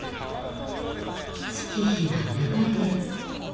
月日は流れ。